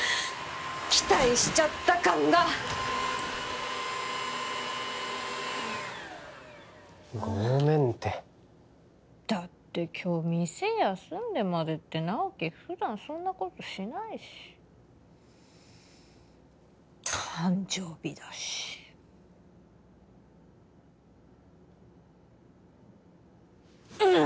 期待しちゃった感がごめんってだって今日店休んでまでって直木普段そんなことしないし誕生日だしあ